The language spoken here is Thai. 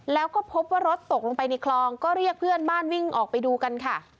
แล้วก็พบว่ารถตกลงไปในคลองก็เรียกเพื่อนบ้านวิ่งออกไปดูกันค่ะ